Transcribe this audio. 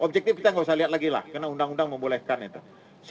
objektif kita nggak usah lihat lagi lah karena undang undang membolehkan itu